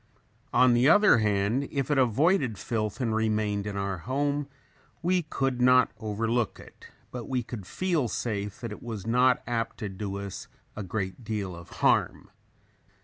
On the other hand, if it avoided filth and remained in our home we could not overlook it, but we could feel safe that it was not apt to do us a great deal of harm.